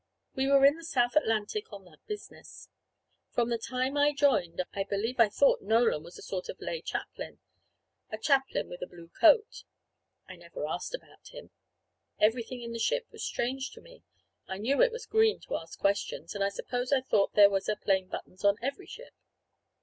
We were in the South Atlantic on that business. From the time I joined, I believe I thought Nolan was a sort of lay chaplain a chaplain with a blue coat. I never asked about him. Everything in the ship was strange to me. I knew it was green to ask questions, and I suppose I thought there was a "Plain Buttons" on every ship.